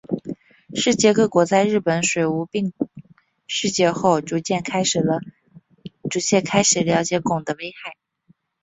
世界各国在日本水俣病事件后逐渐开始了解汞的危害。